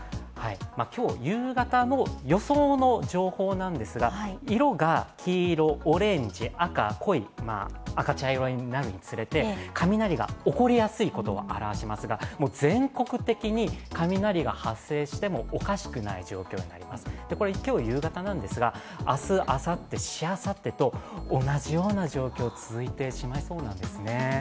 今日夕方の予想の情報なんですが色が黄色、オレンジ、赤、濃い赤茶色になるにつれて雷が起こりやすいことを表しますが全国的に雷が発生してもおかしくない状況なんです、これは今日夕方なんですが、明日、あさって、しあさってと同じような状況が続いてしまうんですね。